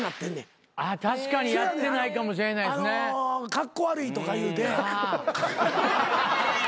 カッコ悪いとか言うて。